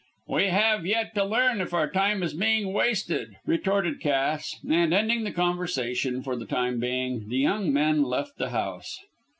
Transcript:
"We have yet to learn if our time is being wasted," retorted Cass, and ending the conversation for the time being, the young men left the house.